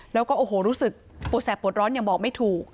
แล้วก็โอ้โหรู้สึกปวดแสบปวดร้อนยังบอกไม่ถูก